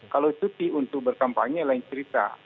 kalau cuti untuk berkampanye lain cerita